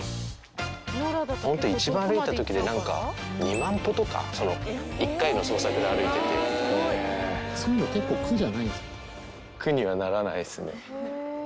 本当、一番歩いたときで、なんか、２万歩とか、そういうの結構、苦にはならないですね。